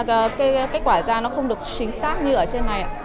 cái kết quả ra nó không được chính xác như ở trên này ạ